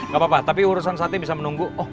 gapapa tapi urusan sate bisa menunggu